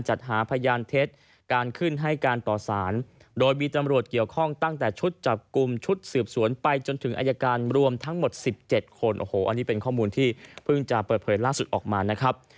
อันนี้เป็นข้อมูลที่เพิ่งจะเปิดเผยล่าสุดออกมานะครับ